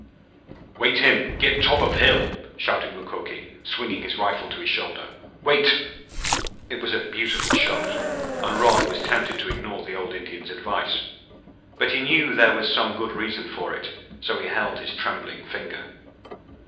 "Wait heem git top of hill!" shouted Mukoki, swinging his rifle to his shoulder. "Wait!" It was a beautiful shot and Rod was tempted to ignore the old Indian's advice. But he knew that there was some good reason for it, so he held his trembling finger.